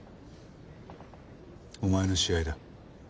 お前の試合だ。